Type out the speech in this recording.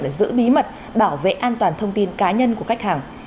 để giữ bí mật bảo vệ an toàn thông tin cá nhân của khách hàng